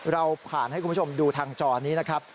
เราผ่านให้คุณผู้ชมดูทางจอนี้นะครับ